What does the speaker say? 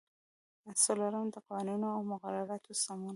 څلورم: د قوانینو او مقرراتو سمون.